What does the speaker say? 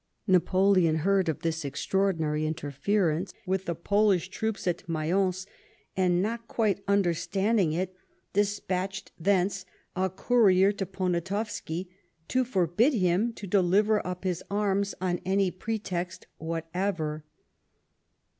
Napoleon heard of this extraordinary interference with the Polish troops at Mayence, and not quite understanding it, despatched thence a courier to Poniatowski to forbid him to deliver up his arms on any pretext whatever.